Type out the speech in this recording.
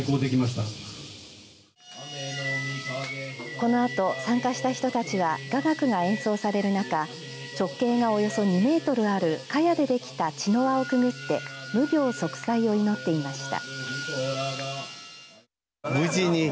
このあと参加した人たちは雅楽が演奏されるなか直径がおよそ２メートルあるカヤでできた茅の輪をくぐって無病息災を祈っていました。